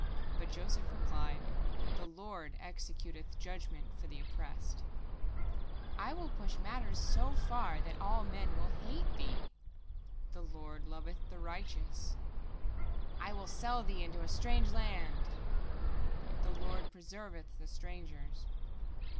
But Joseph replied, "The Lord executeth judgment for the oppressed." Zuleika: "I will push matters so far that all men will hate thee." Joseph: "The Lord loveth the righteous." Zuleika: "I will sell thee into a strange land." Joseph: "The Lord preserveth the strangers."